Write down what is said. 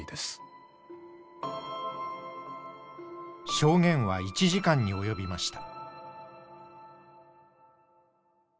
証言は１時間に及びました。